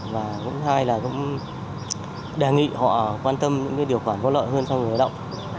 và cũng đề nghị họ quan tâm những điều khoản có lợi hơn cho người lao động